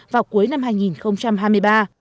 vào cuối năm hai nghìn hai mươi ba